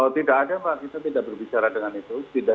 tidak ada mbak kita tidak berbicara dengan itu